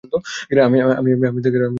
আমি তাকে টেক্সট করেছি।